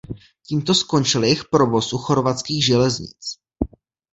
Tímto skončil jejich provoz u Chorvatských železnic.